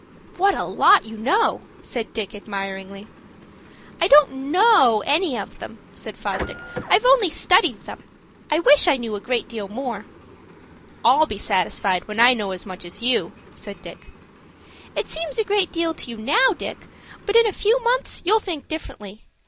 "What a lot you know!" said Dick, admiringly. "I don't know any of them," said Fosdick. "I've only studied them. I wish I knew a great deal more." "I'll be satisfied when I know as much as you," said Dick. "It seems a great deal to you now, Dick, but in a few months you'll think differently.